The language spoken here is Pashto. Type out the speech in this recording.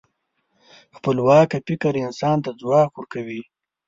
خپلواکه فکر انسان ته ځواک ورکوي.